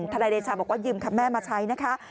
นายเดชาบอกว่ายืมคำแม่มาใช้นะคะ